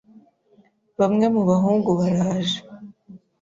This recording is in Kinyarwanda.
Bamwe mu bahungu baraje.